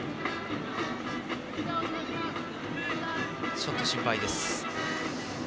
ちょっと心配です。